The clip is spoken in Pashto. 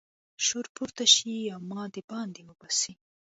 شور پورته شي او ما د باندې وباسي.